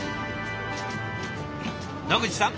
野口さん